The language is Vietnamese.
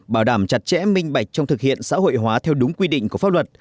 bảo đảm chặt chẽ minh bạch trong thực hiện xã hội hóa theo đúng quy định của pháp luật